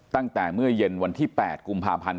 ตั้งแต่เมื่อเย็นวันที่๘กุมภาพันธ์